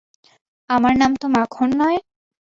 আমার নাম তো মাখন নয়।